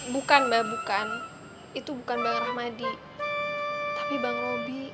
bukan mbak bukan itu bukan bang rahmadi tapi bang roby